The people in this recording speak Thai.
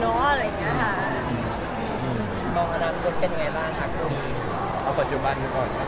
สวัสดีออกจะบล้อย